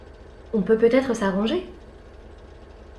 On peut peut-être s’arranger...